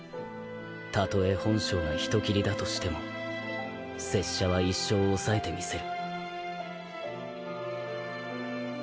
たとえ本性が人斬りだとしても拙者は一生抑えてみせる